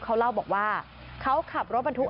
เขาเล่าบอกว่าเขาขับรถบรรทุก